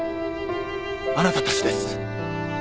あなたたちです。